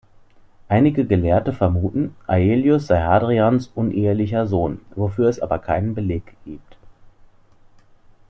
Einige Gelehrte vermuten, Aelius sei Hadrians unehelicher Sohn, wofür es aber keinen Beleg gibt.